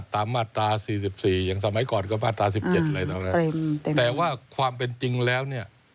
แต่ว่าความเป็นจริงแล้วเนี่ย